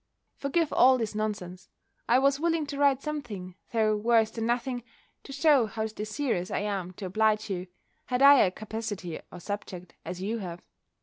Forgive all this nonsense. I was willing to write something, though worse than nothing, to shew how desirous I am to oblige you, had I a capacity or subject, as you have.